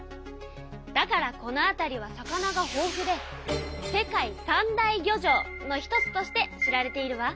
だからこの辺りは魚がほうふで世界三大漁場の一つとして知られているわ。